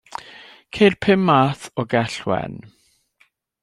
Ceir pum math o gell wen.